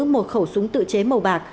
một khẩu súng tự chế màu bạc